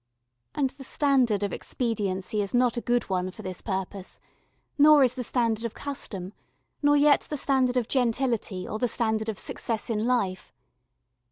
And the standard of expediency is not a good one for this purpose, nor is the standard of custom, nor yet the standard of gentility or the standard of success in life.